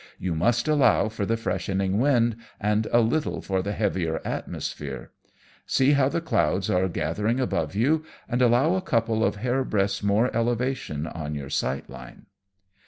You must allow for the freshening wind, and a little for the heavier atmo sphere. See how the clouds are gathering above you, and allow a couple of hairbreadths' more elevation on your sight line."